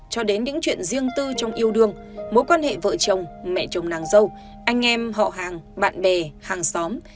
cho đến những chuyện riêng tư trong yêu đương mối quan hệ vợ chồng mẹ chồng nàng dâu anh em họ hàng bạn bè hàng xóm